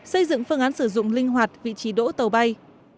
xây dựng phương án sử dụng linh hoạt vị trí đỗ tàu bay